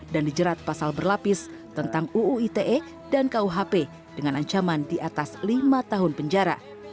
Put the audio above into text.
dan dijerat pasal berlapis tentang uu ite dan kuhp dengan ancaman di atas lima tahun penjara